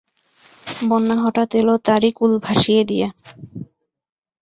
বন্যা হঠাৎ এল তারই কূল ভাসিয়ে দিয়ে।